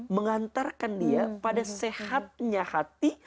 mengantarkan dia pada sehatnya hati